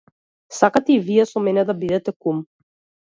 Сакате и вие со мене да бидете кум?